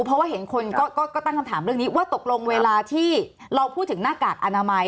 เพราะว่าเห็นคนก็ตั้งคำถามเรื่องนี้ว่าตกลงเวลาที่เราพูดถึงหน้ากากอนามัย